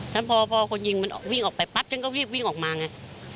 แล้วพอคนยิงมันวิ่งออกไปปั๊บฉันก็รีบวิ่งออกมาไง